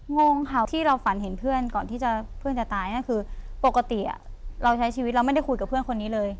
งงค่ะที่เราฝันเห็นเพื่อนก่อนที่เพื่อนจะตายก็คือปกติเราใช้ชีวิตเราไม่ได้คุยกับเพื่อนคนนี้เลย